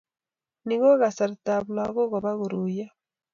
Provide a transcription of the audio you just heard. Ni ko kasartab lagok Koba koruiyo